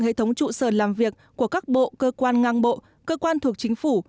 hệ thống trụ sở làm việc của các bộ cơ quan ngang bộ cơ quan thuộc chính phủ